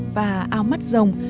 và áo mắt rồng